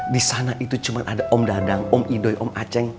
di sana itu cuma ada om dadang om idoi om aceng